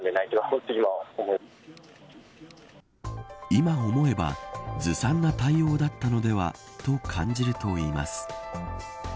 今思えばずさんな対応だったのではと感じるといいます。